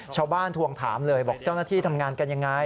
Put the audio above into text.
ทวงถามเลยบอกเจ้าหน้าที่ทำงานกันยังไง